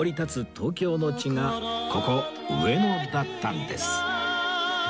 東京の地がここ上野だったんです